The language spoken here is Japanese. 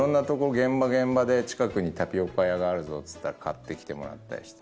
現場現場で近くにタピオカ屋があるぞっつったら買って来てもらったりして。